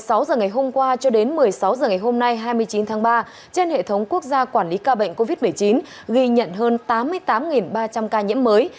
tính từ một mươi sáu giờ ngày hôm qua cho đến một mươi sáu giờ ngày hôm nay hai mươi chín tháng ba trên hệ thống quốc gia quản lý ca bệnh covid một mươi chín ghi nhận hơn tám mươi tám ba trăm linh ca nhiễm mới